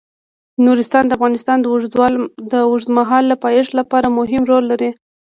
نورستان د افغانستان د اوږدمهاله پایښت لپاره مهم رول لري.